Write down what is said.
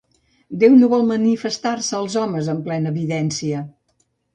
Déu no vol manifestar-se als homes amb plena evidència.